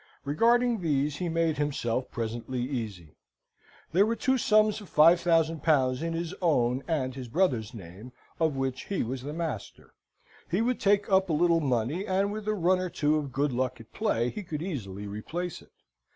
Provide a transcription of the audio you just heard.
Regarding these he made himself presently easy. There were the two sums of 5000 pounds in his own and his brother's name, of which he was the master. He would take up a little money, and with a run or two of good luck at play he could easily replace it.